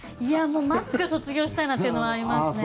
マスク卒業したいなっていうのはありますね。